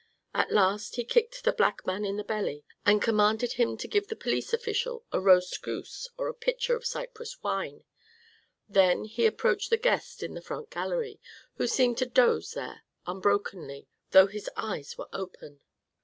At last he kicked the black man in the belly, and commanded him to give the police official a roast goose and a pitcher of Cyprus wine; then he approached the guest in the front gallery, who seemed to doze there unbrokenly, though his eyes were open.